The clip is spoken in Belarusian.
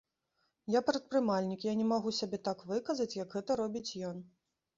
Я прадпрымальнік, я не магу сябе так выказаць, як гэта робіць ён.